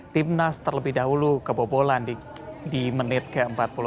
timnas terlebih dahulu kebobolan di menit ke empat puluh enam